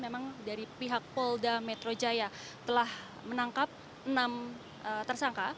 memang dari pihak polda metro jaya telah menangkap enam tersangka